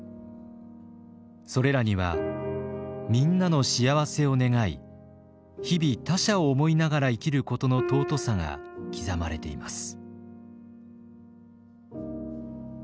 それらにはみんなの幸せを願い日々他者を思いながら生きることの尊さが刻まれています。